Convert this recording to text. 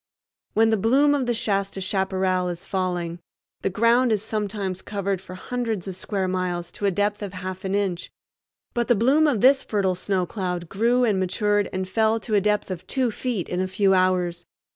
When the bloom of the Shasta chaparral is falling, the ground is sometimes covered for hundreds of square miles to a depth of half an inch. But the bloom of this fertile snow cloud grew and matured and fell to a depth of two feet in a few hours.